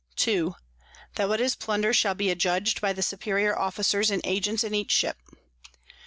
_ 2. _That what is Plunder shall be adjudg'd by the superior Officers and Agents in each Ship.